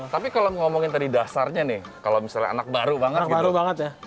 tapi kalau ngomongin tadi dasarnya nih kalau misalnya anak baru banget gitu